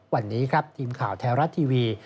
วันนี้ครับทีมข่าวแท้รัฐทีวี